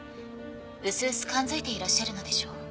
うすうす感づいていらっしゃるのでしょう？